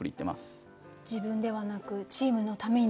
自分ではなくチームのために？